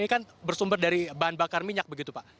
ini kan bersumber dari bahan bakar minyak begitu pak